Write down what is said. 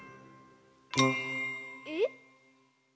えっ？